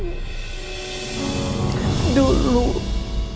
ida lelah gue